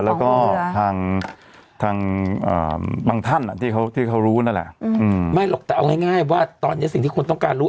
แล้วก็ทางทางอ่าบางท่านอ่ะที่เขาที่เขารู้นั่นแหละอืมไม่หรอกแต่เอาง่ายง่ายว่าตอนนี้สิ่งที่คนต้องการรู้